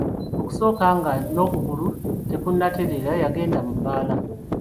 Okusooka nga n'okugulu tekunatereera yagenda mu bbaala.